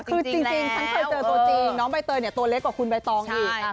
คือจริงฉันเคยเจอตัวจริงน้องใบเตยเนี่ยตัวเล็กกว่าคุณใบตองอีก